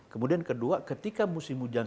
kemudian kedua ketika musim hujan